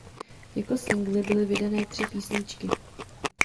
Jako singly byly vydané tři písničky.